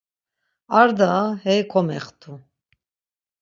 Ar daa, hey komext̆u.